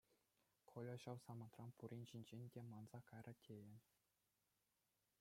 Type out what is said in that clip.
Коля ҫав самантран пурин ҫинчен те манса кайрӗ тейӗн.